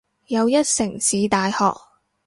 又一城市大學